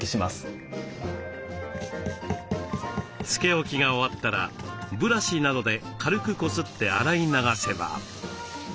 つけ置きが終わったらブラシなどで軽くこすって洗い流せば。